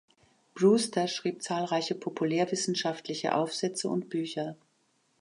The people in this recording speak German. Brewster schrieb zahlreiche populärwissenschaftliche Aufsätze und Bücher.